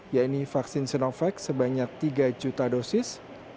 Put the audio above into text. yaitu vaksin sinovac sebanyak tiga juta dosis